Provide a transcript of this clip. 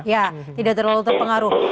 ya tidak terlalu terpengaruhi